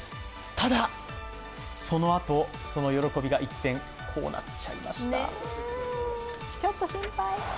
ただ、そのあと、その喜びが一転、こうなっちゃいました。